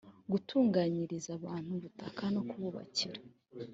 gutunganyiriza abantu ubutaka no kububakira